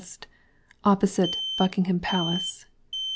OPPOSITE BUCKINGHAM PALACE.